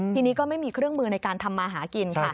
ทีนี้ก็ไม่มีเครื่องมือในการทำมาหากินค่ะ